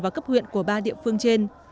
và cấp huyện của ba địa phương trên